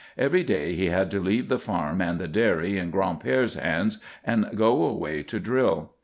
Every day he had to leave the farm and the dairy in Gran'père's hands and go away to drill.